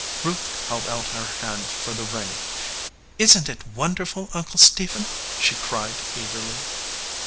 Ruth held out her hand for the ring. "Isn t it wonderful, Uncle Stephen?" she cried, eagerly.